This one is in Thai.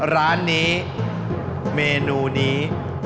ร้านนี้เมนูนี้